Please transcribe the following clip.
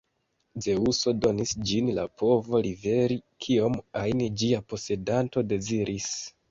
Zeŭso donis ĝin la povo liveri kiom ajn ĝia posedanto deziris.